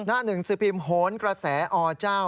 หน้าหนึ่งสือพิมพ์โหนกระแสอเจ้า